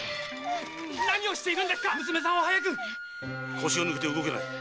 腰が抜けて動けない。